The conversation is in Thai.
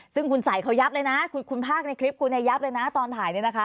ซึ่งคุณใส่เขายับเลยนะคุณภาคในคลิปคุณเนี่ยยับเลยนะตอนถ่ายเนี่ยนะคะ